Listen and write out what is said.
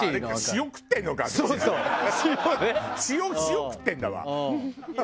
塩塩食ってんだわ。